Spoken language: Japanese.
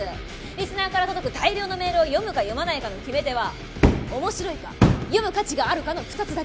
リスナーから届く大量のメールを読むか読まないかの決め手は面白いか読む価値があるかの２つだけ。